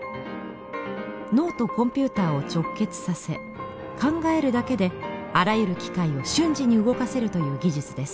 脳とコンピューターを直結させ考えるだけであらゆる機械を瞬時に動かせるという技術です。